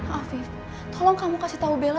afif tolong kamu kasih tau bella